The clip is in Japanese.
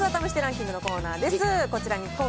ひたすら試してランキングのコーナーです。